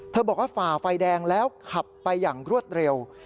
บอกว่าฝ่าไฟแดงแล้วขับไปอย่างรวดเร็ว